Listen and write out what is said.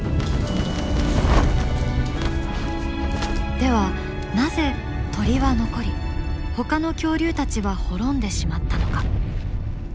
ではなぜ鳥は残りほかの恐竜たちは滅んでしまったのか？